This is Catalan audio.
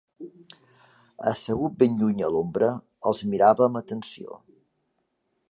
Assegut ben lluny a l'ombra els mirava amb atenció.